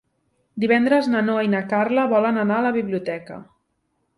Divendres na Noa i na Carla volen anar a la biblioteca.